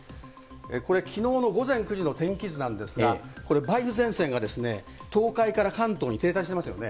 これ、きのうの午前９時の天気図なんですが、これ、梅雨前線が東海から関東に停滞していますよね。